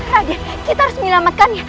raden kita harus menyelamatkannya